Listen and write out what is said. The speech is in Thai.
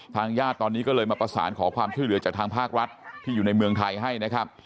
ญาติตอนนี้ก็เลยมาประสานขอความช่วยเหลือจากทางภาครัฐที่อยู่ในเมืองไทยให้นะครับ